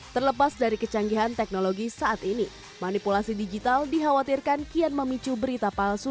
terlepas dari kecanggihan teknologi saat ini manipulasi digital dikhawatirkan kian memicu berita palsu